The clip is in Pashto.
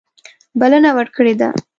بلنه ورکړې ده.